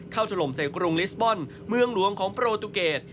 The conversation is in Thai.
เข้าจลมใส่กรุงลิสบอนเมืองหลวงของประโลธุเกรด